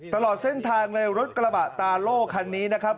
ตลอดเส้นทางเลยรถกระบะตาโล่คันนี้นะครับ